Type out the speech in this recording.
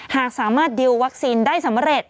หากสามารถดิววัคซีนได้สำเร็จ